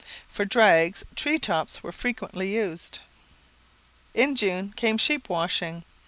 For drags, tree tops were frequently used. In June came sheep washing.